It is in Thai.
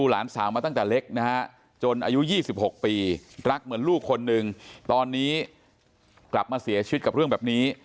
รักเหมือนลูกคนหนึ่งตอนนี้กลับมาเสียชีวิตกับเรื่องแบบนี้